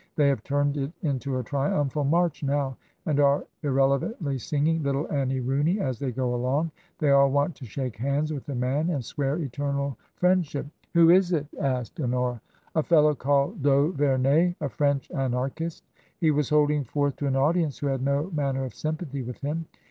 They have turned it into a triumphal march now, and are irrele vantly singing * Little Annie Rooney* as they go along. They all want to shake hands with the man and swear eternal friendship." " Who is it ?" asked Honora. "A fellow called d'Auvemey — a French Anarchist. He was holding forth to an audience who had no manner of sympathy with him.